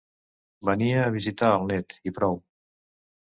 Venia a visitar el net, i prou.